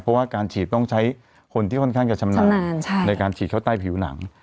เพราะว่าการฉีดต้องใช้คนที่ค่อนข้างจะชำนาญในการฉีดเข้าใต้ผิวหนัง